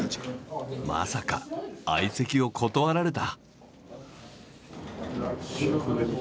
まさか相席を断られた。